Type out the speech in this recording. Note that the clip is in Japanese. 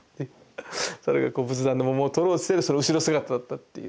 猿が仏壇の桃をとろうとしてるその後ろ姿だったっていう。